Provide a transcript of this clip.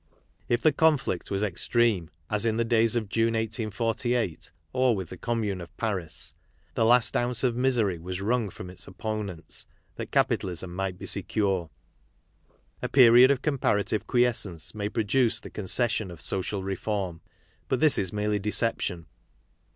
If the conflict was extreme as in the days of June, 1848, or with the Com mune of Paris, the last ounce of misery was wrung from its opponents, that capitalism might be secure. A period of comparative quiescence may produce the con cession of social reform, but this is merely deception.